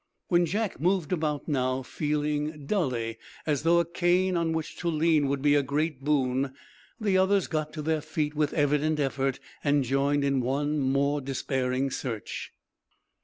When Jack moved about now, feeling, dully, as though a cane on which to lean would be a great boon, the others got to their feet with evident effort and joined in one more despairing search.